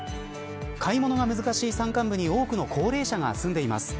買い物が難しい山間部に多くの高齢者が住んでいます。